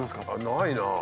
ないなあ。